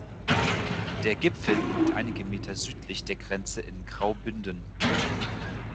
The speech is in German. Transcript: Der Gipfel liegt einige Meter südlich der Grenze in Graubünden.